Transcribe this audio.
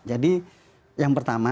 jadi yang pertama